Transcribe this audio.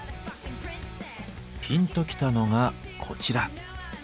ピンときたのがこちら。